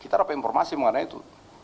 kita dapat informasi mengenai itu